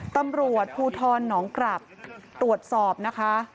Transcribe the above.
ตำรวจภูทรหนองกลับตรวจสอบนะคะ